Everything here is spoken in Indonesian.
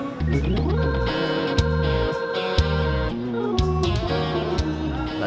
saya sudah selesai